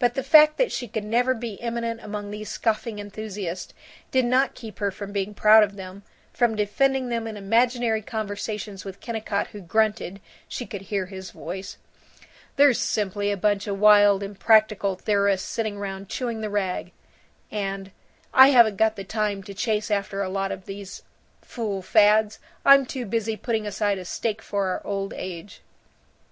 But the fact that she could never be eminent among these scoffing enthusiasts did not keep her from being proud of them, from defending them in imaginary conversations with Kennicott, who grunted (she could hear his voice), "They're simply a bunch of wild impractical theorists sittin' round chewing the rag," and "I haven't got the time to chase after a lot of these fool fads; I'm too busy putting aside a stake for our old age."